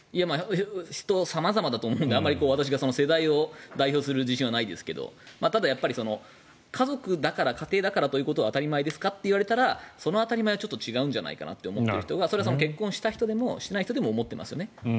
人さまざまだと思うので私が世代を代表する自信はないですがただ、家族だから、家庭だから当たり前ですかというのはその当たり前はちょっと違うんじゃないかと思ってる人が結婚した人でもそうじゃない人も思っていますよね。